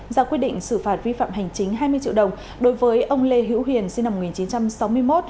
ra quyết định xử phạt vi phạm hành chính hai mươi triệu đồng đối với ông lê hữu hiền sinh năm một nghìn chín trăm sáu mươi một